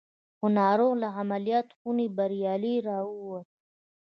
خو ناروغ له عمليات خونې بريالي را ووت.